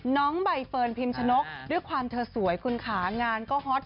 น้องใบเฟิร์นพิมชนกด้วยความเธอสวยคุณขางานก็ฮอต